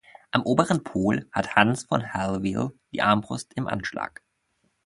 Am oberen Pol hat Hans von Hallwyl die Armbrust im Anschlag.